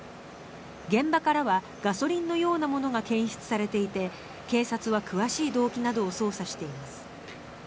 現場からはガソリンのようなものが検出されていて警察は詳しい動機などを捜査しています。